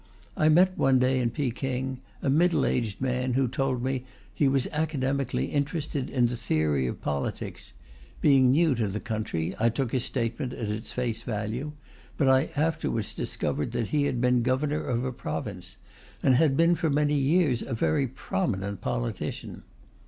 I met one day in Peking a middle aged man who told me he was academically interested in the theory of politics; being new to the country, I took his statement at its face value, but I afterwards discovered that he had been governor of a province, and had been for many years a very prominent politician.